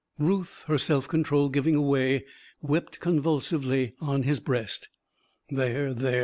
Ruth, her self control giving way, wept convulsively on his breast. "There! There!"